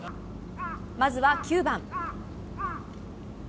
まずは９番。